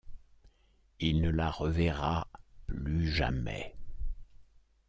Il ne la reverra plus jamais.